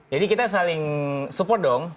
jadi kita saling support dong